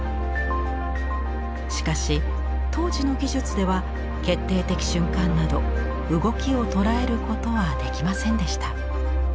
しかし当時の技術では決定的瞬間など動きを捉えることはできませんでした。